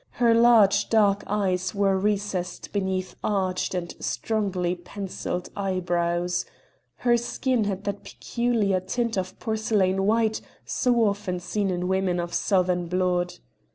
Her large dark eyes were recessed beneath arched and strongly pencilled eyebrows. Her skin had that peculiar tint of porcelain white so often seen in women of southern blood.